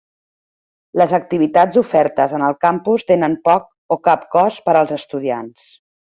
Les activitats ofertes en el campus tenen poc o cap cost per als estudiants.